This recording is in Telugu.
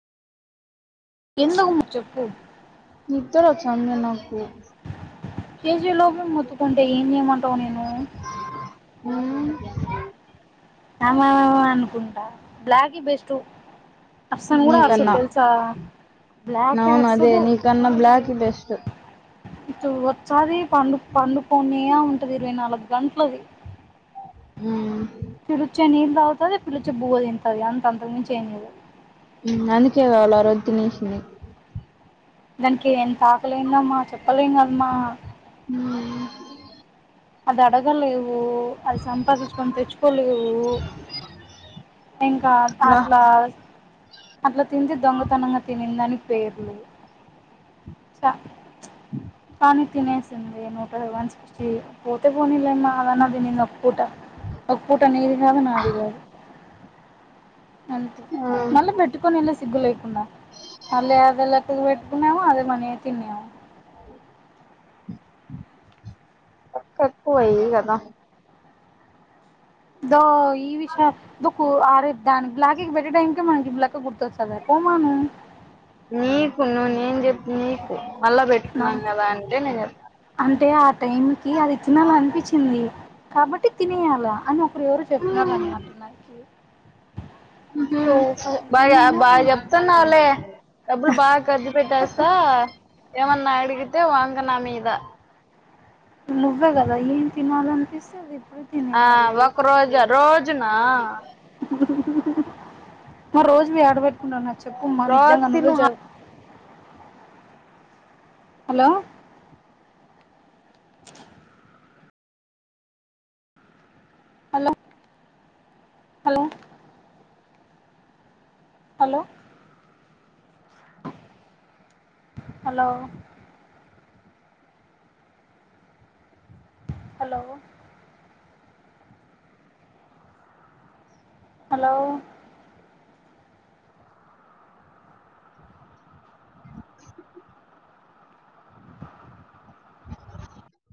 ఎందుకుము చెప్పు తోనో చ్చంద నాకు కేజీలోపల మొత్తుకుంటే ఏం చేయమంటావు నేను ఊ అమమమ అనుకుంటా బ్లాగీ బెస్టు నీ కన్నా బ్లాకే నవును అదే అరసదు నీ కన్నా బ్లాక్ బెస్ట్ వచ్చాదీ పండు పండుకొనే ఉంటది ఇరవై నాలుగు గంట అది మ్మ్. తిరుచెని అవుతుది ఇ పిలిచే భూవ తింటంది అంత అంతకి మించి ఏయం లేదు అందుకేద ఎల అ ర తినీష దానికి ఎంత ఆాకలిందమ్మా చెప్పలేం కదమ్మా హుమ్ అది అడగలి ను అది సంపాదించుకొని తెచ్చుకోలేవు్ ఇంకా నా- అట్లా అట్లా తింది దొంగతనంగా తిని ఎని పేరులేదు కాని తినేస్ నూట వన్ సిక్స్టీ పోతే పోనీలమ్మా అదన్నతినింది ఒక పూట ఒక పూట నీది కాదు నాది కాదు అంతే మ్మ్. మళ్ళా పేట్టుకొని ఏల్ సిగ్గు లేకుండా అల్ అద క్క పెట్టుకున్నాము అదే మనీ తిన్నావా ఒక ఎ వయి కదా దా యి ఈ విషా దుః ఆరుద్దా బ్లాగీ కి బెట్టే టైం మ ఇలాకా గురుతు వచ్చదా పోమను కొను నేను చెప్ నీకు మళ్ళా నా పెట్టుకున్నాను కదా అంటే నేను చెప్తాను అంటే ఆ టైం కి అది తినాల అనిపించింది కాబట్టి తినేయాల అని ఇప్పుడు ఎవరు చెప్తుినార అనమాట నాకి బాగా బాగా నేను చెప్తున్నాలే డబ్బులు బాగా ఖర్చు పెట్టేస్తా ఏమన్నా అడిగితే వాంగనా మీద నువ్వేగద ఏన్ తినాల అనిపిస్తా అది ఇప్పుడు ఆ తినేయాలి ఒక రోజు రోజునా మ రోజు మీ ఆడబట్ కు నచ్చ బమ్మ రోజు నిజంగా నువ్వే తిను చే hello hello hello hello hello hello hello